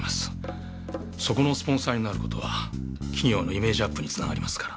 そこのスポンサーになることは企業のイメージアップにつながりますから。